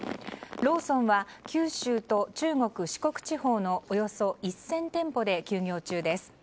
ローソンは九州と中国、四国地方のおよそ１０００店舗で休業中です。